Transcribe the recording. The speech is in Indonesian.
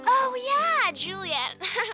oh ya juliet